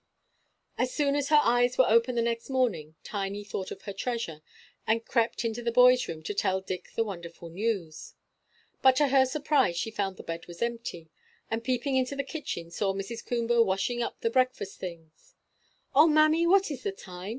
As soon as her eyes were open the next morning Tiny thought of her treasure, and crept into the boys' room to tell Dick the wonderful news. But to her surprise she found the bed was empty; and, peeping into the kitchen, saw Mrs. Coomber washing up the breakfast things. "Oh, mammy, what is the time?"